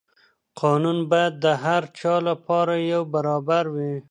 قانون باید د هر چا لپاره یو برابر وي.